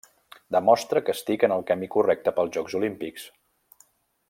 Demostra que estic en el camí correcte pels Jocs Olímpics.